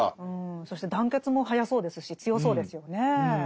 そして団結も早そうですし強そうですよねえ。